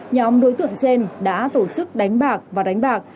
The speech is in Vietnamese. nhóm đối tượng trên đã tổ chức đánh bạc và đánh bạc